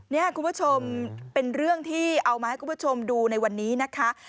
นี่คุณผู้ชมเป็นเรื่องที่เอามาให้คุณผู้ชมดูในวันนี้นะคะ